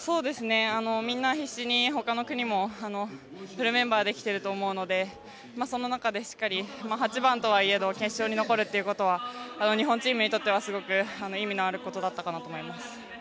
みんな必死に、ほかの国もフルメンバーで来てると思うのでその中でしっかり８番とはいえど決勝に残るということは日本チームにとってはすごく意味のあることだったかなと思います。